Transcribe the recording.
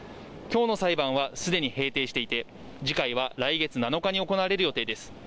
きょうの裁判はすでに閉廷していて、次回は来月７日に行われる予定です。